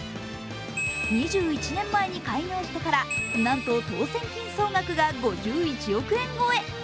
２１年前に開業してから、なんと当選金総額が５１億円超え。